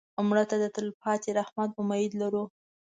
مړه ته د تلپاتې رحمت امید لرو